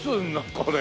これ。